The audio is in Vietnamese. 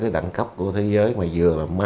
đẳng cấp của thế giới mà vừa